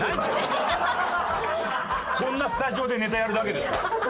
こんなスタジオでネタやるだけですから。